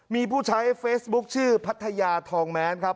มีผู้ใช้เฟซบุ๊คชื่อพัทยาทองแม้นครับ